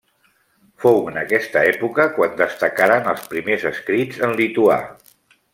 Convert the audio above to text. Fou en aquesta època quan destacaren els primers escrits en lituà.